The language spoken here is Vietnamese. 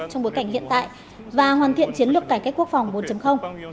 trong bối cảnh hiện tại và hoàn thiện chiến lược cải cách quốc phòng bốn